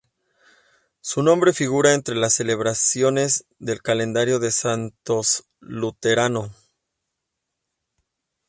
Su nombre figura entre las celebraciones del Calendario de Santos Luterano.